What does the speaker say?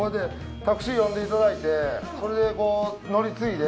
タクシー呼んでいただいてそれで乗り継いで。